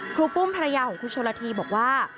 รูปุ้มภรรยาของครูชนละทีบอกว่า